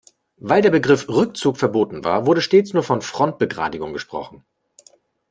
Weil der Begriff Rückzug verboten war, wurde stets nur von Frontbegradigung gesprochen.